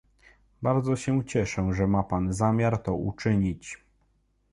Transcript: Bardzo się cieszę, że ma pan zamiar to uczynić